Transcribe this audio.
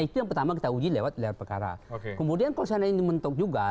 kemudian kalau seandainya ini mentok juga